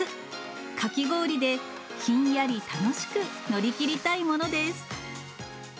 かき氷でひんやり楽しく乗り切りたいものです。